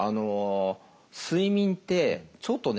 睡眠ってちょっとね